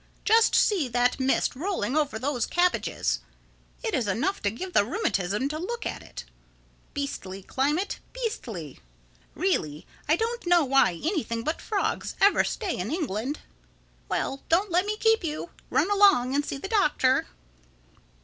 Just see that mist rolling over those cabbages. It is enough to give you rheumatism to look at it. Beastly climate—Beastly! Really I don't know why anything but frogs ever stay in England—Well, don't let me keep you. Run along and see the Doctor."